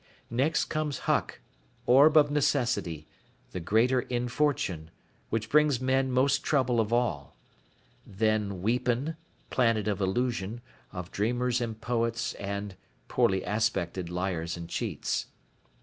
Next comes Huck, orb of necessity, the Greater Infortune, which brings men most trouble of all. Then Weepen, planet of illusion, of dreamers and poets and, poorly aspected, liars and cheats.